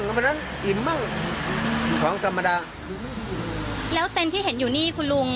เพราะฉะนั้นอิ่มบ้างของธรรมดาแล้วเต็นต์ที่เห็นอยู่นี่คุณลุง